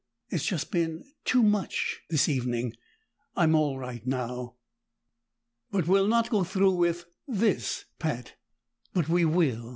It's just been too much, this evening; I'm all right now." "But we'll not go through with this, Pat!" "But we will!